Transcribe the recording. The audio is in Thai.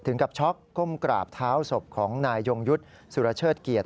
ถึงกับช็อกก้มกราบเท้าศพของนายยงยุทธ์สุรเชิดเกียรติ